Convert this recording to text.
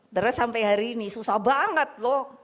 terus sampai hari ini susah banget loh